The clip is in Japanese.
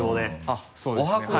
あっそうですねはい。